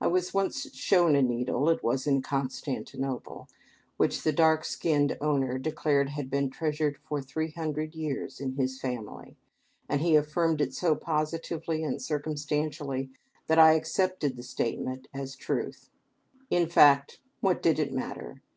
I was once shown a needle it was in Constantinople which the dark skinned owner declared had been treasured for three hundred years in his family, and he affirmed it so positively and circumstantially that I accepted the statement as truth. In fact, what did it matter?